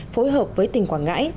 phối hợp với tỉnh quảng ngãi